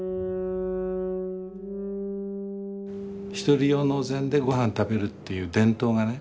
１人用のお膳でごはん食べるという伝統がね